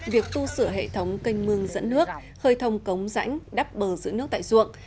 việc tu sửa hệ thống canh mương dẫn nước khơi thông cống rãnh đắp bờ giữ nước tại ruộng